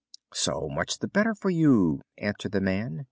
"So much the better for you," answered the man.